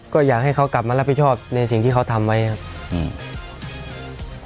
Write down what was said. ก็อยากให้เขากลับมารับผิดชอบในสิ่งที่เขาทำไว้ครับอืม